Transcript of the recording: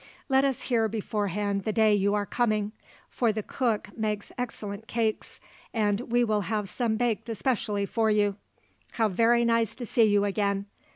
Let us hear beforehand the day you are coming; for the cook makes excellent cakes, and we will have some baked specially for you. How very nice to see you again.